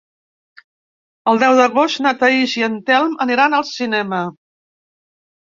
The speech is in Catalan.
El deu d'agost na Thaís i en Telm aniran al cinema.